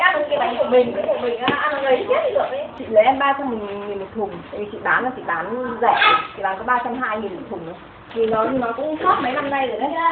chị bán thì chị bán có ba trăm hai mươi nghìn một thùng thôi